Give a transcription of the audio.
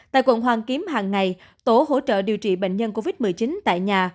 tại quận hoàn kiếm hàng ngày tổ hỗ trợ điều trị bệnh nhân covid một mươi chín tại nhà